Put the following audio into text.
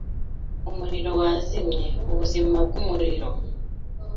Umuriro wazimye ubuzima bwumuriro.